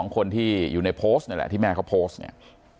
คนที่อยู่ในโพสต์นี่แหละที่แม่เขาโพสต์เนี่ย